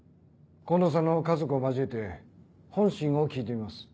近藤さんの家族を交えて本心を聞いてみます。